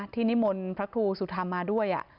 นิมนต์พระครูสุธรรมมาด้วย